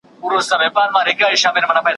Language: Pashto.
ملیار چي په لوی لاس ورکړي زاغانو ته بلني `